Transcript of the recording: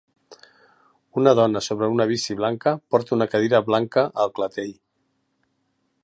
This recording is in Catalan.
Una dona sobre una bici blanca porta una cadira blanca al clatell.